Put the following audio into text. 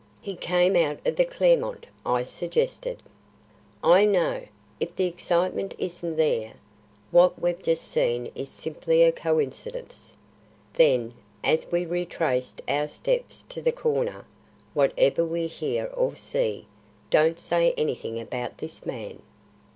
"He came out of the Clermont," I suggested. "I know. If the excitement isn't there, what we've just seen is simply a coincidence." Then, as we retraced our steps to the corner "Whatever we hear or see, don't say anything about this man.